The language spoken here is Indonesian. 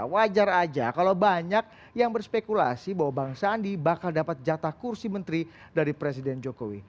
wajar aja kalau banyak yang berspekulasi bahwa bang sandi bakal dapat jatah kursi menteri dari presiden jokowi